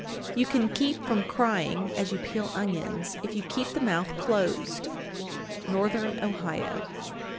859. You can keep from crying as you peel onions if you keep the mouth closed. _Northern Ohio.